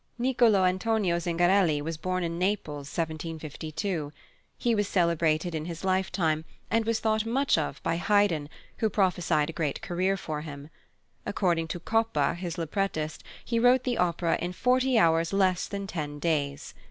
Nicolò Antonio Zingarelli was born in Naples, 1752. He was celebrated in his lifetime, and was thought much of by Haydn, who prophesied a great career for him. According to Coppa, his librettist, he wrote the opera in "forty hours less than ten days."